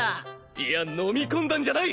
いや飲み込んだんじゃない。